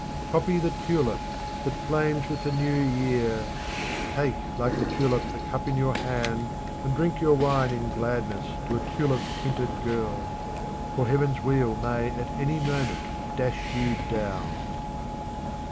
Copy the tulip, that flames with the new year. Take like the tulip the cup in your hand, and drink your wine in gladness to a tulip tinted girl. For Heaven's wheel may at any moment dash you down.